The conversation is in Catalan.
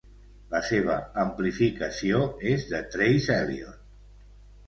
La seva amplificació és de Trace Elliot.